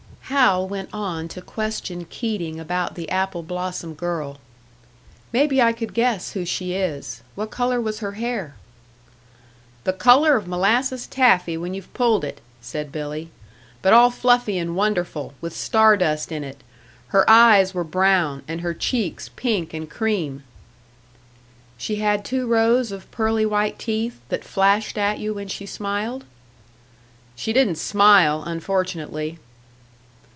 Hal went on to question Keating about the apple blossom girl. "Maybe I could guess who she is. What colour was her hair?" "The colour of molasses taffy when you've pulled it," said Billy; "but all fluffy and wonderful, with star dust in it. Her eyes were brown, and her cheeks pink and cream." "She had two rows of pearly white teeth, that flashed at you when she smiled?" "She didn't smile, unfortunately."